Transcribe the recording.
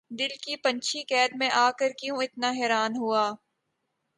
دل کا پنچھی قید میں آ کر کیوں اتنا حیران ہوا